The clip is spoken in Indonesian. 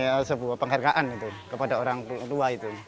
itu adalah sebuah penghargaan kepada orang tua itu